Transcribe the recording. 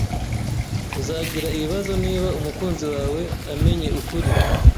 Uzagira ibibazo niba umukunzi wawe amenye ukuri.